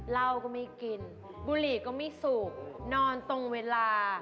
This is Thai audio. เหล้าก็ไม่กินบุหรี่ก็ไม่สุกนอนตรงเวลา